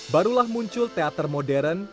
barulah muncul teater modern